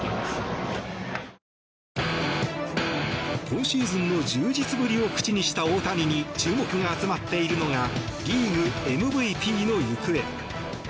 今シーズンの充実ぶりを口にした大谷に注目が集まっているのがリーグＭＶＰの行方。